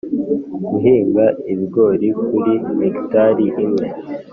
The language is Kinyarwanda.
guhinga ibigori kuri hegitari imwe